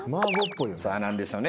さあ何でしょうね。